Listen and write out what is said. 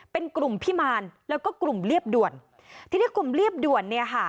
เป็นกลุ่มพิมารแล้วก็กลุ่มเรียบด่วนทีนี้กลุ่มเรียบด่วนเนี่ยค่ะ